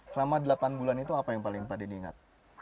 selama delapan bulan itu apa yang paling pak denny ingat